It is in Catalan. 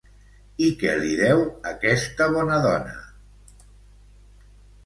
I què li deu aquesta bona dona?